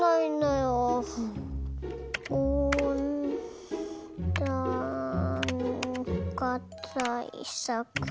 おんだんかたいさく。